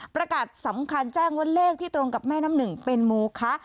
ประกาศสำคัญแจ้งว่าเลขที่ตรงกับแม่น้ำหนึ่งเป็นโมคะ